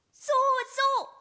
そうそう！